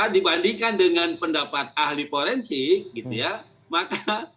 dibandingkan dengan pendapat ahli forensik